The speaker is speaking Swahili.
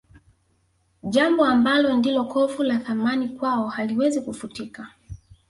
Jambo ambalo ndilo kovu la Thamani kwao haliwezi kufutika